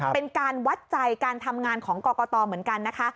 เป็นการวัดใจการทำงานของกรกตเหมือนกันนะคะ